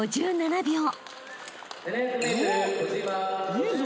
いいぞ！